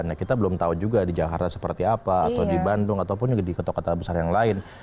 nah kita belum tahu juga di jakarta seperti apa atau di bandung ataupun juga di kota kota besar yang lain